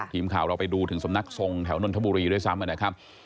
ทีมข่าวเราไปดูถึงสำนักทรงแถวนนทบุรีด้วยซ้ำนะครับ